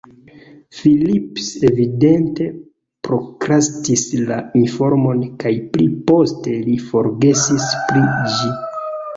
Phillips evidente prokrastis la informon kaj pli poste li forgesis pri ĝi.